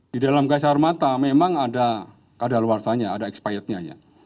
di dalam gas air mata memang ada ke dalawarsanya ada ekspietnya